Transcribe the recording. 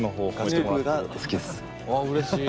あうれしい！